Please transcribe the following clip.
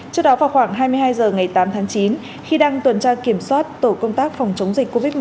trước đó vào khoảng hai mươi hai h ngày tám tháng chín khi đang tuần tra kiểm soát tổ công tác phòng chống dịch covid một mươi chín